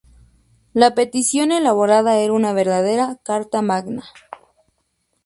La petición elaborada era una verdadera Carta Magna.